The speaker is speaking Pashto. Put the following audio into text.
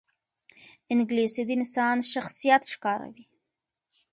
انګلیسي د انسان شخصیت ښکاروي